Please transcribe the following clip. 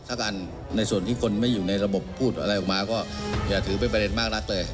ถ้ากันในส่วนที่คนไม่อยู่ในระบบพูดอะไรออกมาก็อย่าถือเป็นประเด็นมากนักเลย